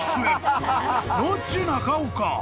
［ロッチ中岡］